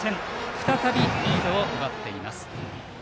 再びリードを奪っています。